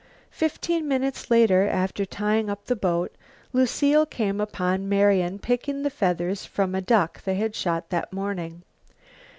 Fifteen minutes later, after tying up the boat, Lucile came upon Marian picking the feathers from a duck they had shot that morning.